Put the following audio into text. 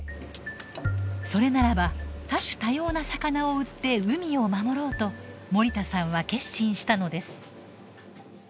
それならば多種多様な魚を売って海を守ろうと森田さんは決心したのです。